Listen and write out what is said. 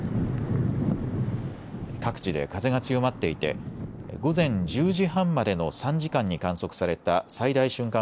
各地で風が強まっていて午前１０時半までの３時間に観測された最大瞬間